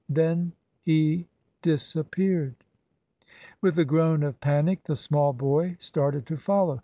Then he disappeared. With a groan of panic the small boy started to follow.